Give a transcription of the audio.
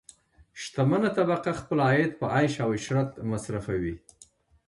شتمنه طبقه خپل عاید په عیش او عشرت مصرفوي.